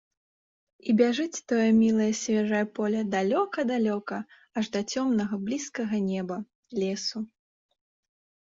І бяжыць тое мілае свежае поле далёка, далёка, аж да цёмнага, блізкага неба, лесу.